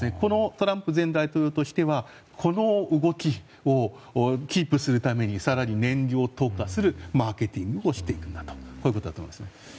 トランプ前大統領としてはこの動きをキープするために更に燃料投下するマーケティングをしているということだと思います。